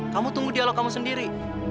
kamu tunggu dialog kamu sendiri